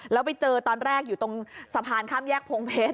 แล้วไปเจอตอนแรกอยู่ตรงสะพานข้ามแยกพงเพชร